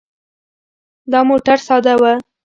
دا موټر ساده و.